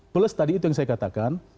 plus tadi itu yang saya katakan